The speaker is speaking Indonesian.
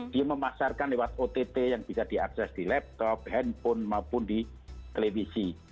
dia memasarkan lewat ott yang bisa diakses di laptop handphone maupun di televisi